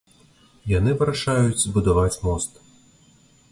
Яны вырашаюць збудаваць мост.